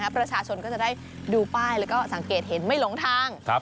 ประชาชนก็จะได้ดูป้ายแล้วก็สังเกตเห็นไม่หลงทาง